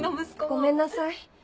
ごめんなさい。